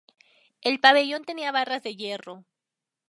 El pabellón tenía barras de hierro.